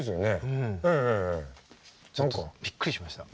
うん。びっくりしました。